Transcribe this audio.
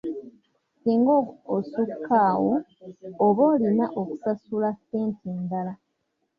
Ssinga osukka awo oba olina okusasula ssente endala.